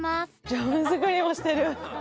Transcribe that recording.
「ジャム作りもしてる！」